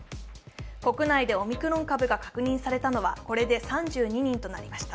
国内でオミクロン株が確認されたのはこれで３２人となりました。